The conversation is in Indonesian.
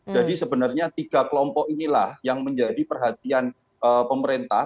jadi sebenarnya tiga kelompok inilah yang menjadi perhatian pemerintah